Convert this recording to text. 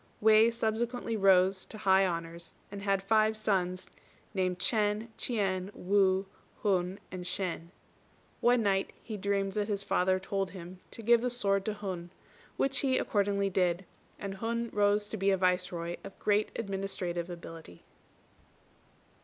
_" Wei subsequently rose to high honours, and had five sons named Ch'ên, Ch'ien, Wu, Hun, and Shên. One night he dreamt that his father told him to give the sword to Hun, which he accordingly did; and Hun rose to be a Viceroy of great administrative ability.